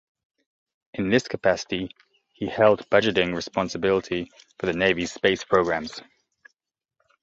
In this capacity he held budgeting responsibility for the Navy's space programs.